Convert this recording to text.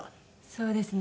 そうですね。